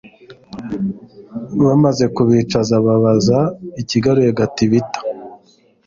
Bamaze kubicaza babaza ikigaruye Gatibita